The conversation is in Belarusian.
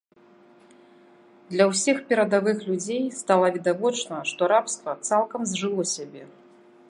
Для ўсіх перадавых людзей стала відавочна, што рабства цалкам зжыло сябе.